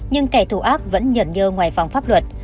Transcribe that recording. nhưng kẻ thù ác vẫn nhận nhơ ngoài phòng pháp luật